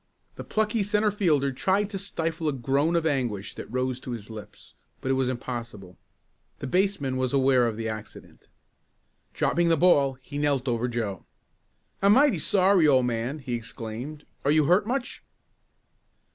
The plucky centre fielder tried to stifle the groan of anguish that rose to his lips, but it was impossible. The baseman was aware of the accident. Dropping the ball he knelt over Joe. "I'm mighty sorry, old man!" he exclaimed. "Are you hurt much?"